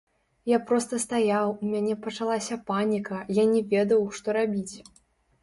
Я проста стаяў, у мяне пачалася паніка, я не ведаў, што рабіць.